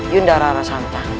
yunda rara santu